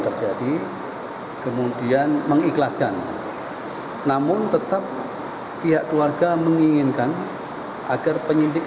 terjadi kemudian mengikhlaskan namun tetap pihak keluarga menginginkan agar penyidik